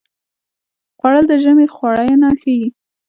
خوړل د ژمي خوړینه ښيي